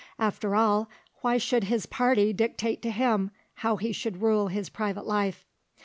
After all, why should his party dictate to him how he should rule his private life?